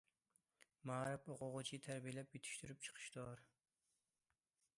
« مائارىپ— ئوقۇغۇچى تەربىيەلەپ يېتىشتۈرۈپ چىقىشتۇر».